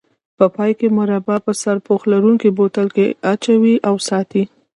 په پای کې مربا په سرپوښ لرونکي بوتل کې واچوئ او وساتئ.